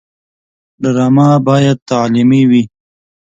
ډرامه باید تعلیمي وي